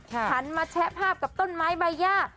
หันมาแชะภาพกับต้นไม้ใบย่า